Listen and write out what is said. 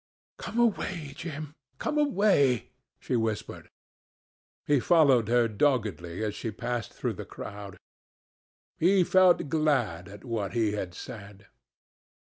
"Come away, Jim; come away," she whispered. He followed her doggedly as she passed through the crowd. He felt glad at what he had said.